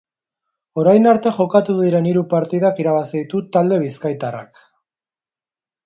Orain arte jokatu diren hiru partidak irabazi ditu talde bizkaitarrak.